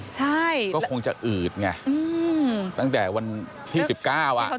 ใช่ก็คงจะอืดไงตั้งแต่วันที่๑๙อ่ะ